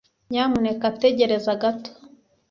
nyamuneka tegereza gato